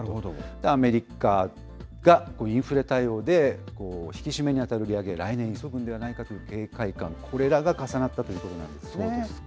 アメリカがインフレ対応で引き締めに当たる利上げを、来年急ぐのではないかという警戒感、これらが重なったということなんですね。